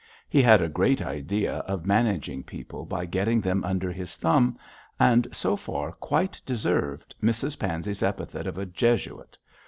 He had a great idea of managing people by getting them under his thumb, and so far quite deserved Mrs Pansey's epithet of a Jesuit.